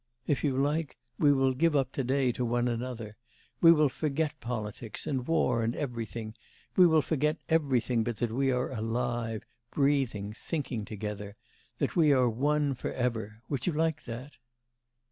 If you like, we will give up to day to one another; we will forget politics and war and everything, we will forget everything but that we are alive, breathing, thinking together; that we are one for ever would you like that?